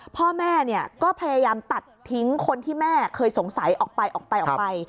พ่อแม่ก็พยายามตัดทิ้งคนที่แม่เคยสงสัยออกไปออกไป